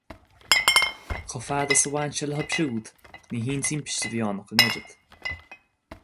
Chomh fada is a bhain sé leo siúd, ní haon timpiste a bhí ann ach an oiread.